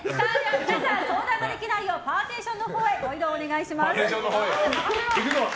皆さん、相談ができないようパーティションのほうへご移動お願いします。